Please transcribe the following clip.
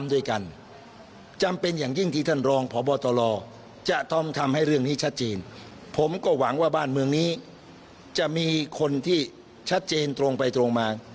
วันนี้จะมีคนที่ชัดเจนตรงไปตรงมา